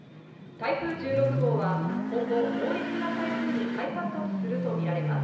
台風１６号は今後、猛烈な台風に再発達するとみられます。